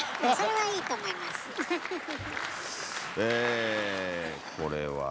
えこれは。